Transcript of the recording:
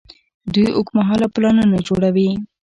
دوی اوږدمهاله پلانونه جوړوي.